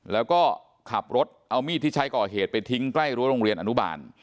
แล้วก็ขับรถเอามีดที่ใช้ก่อเหตุไปทิ้งใกล้รั้วโรงเรียนอนุบาล